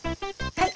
はい。